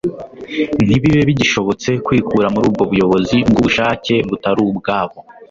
ntibibe bigishobotse kwikura muri ubwo buyobozi bw'ubushake butari ubwabo.